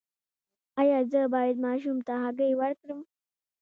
ایا زه باید ماشوم ته هګۍ ورکړم؟